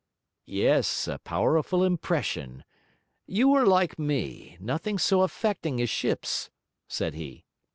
'Yes, a powerful impression. You are like me; nothing so affecting as ships!' said he.